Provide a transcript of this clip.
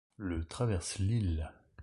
Le traverse l'île.